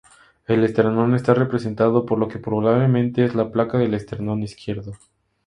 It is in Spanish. El esternón está representado por lo que probablemente es la placa del esternón izquierdo.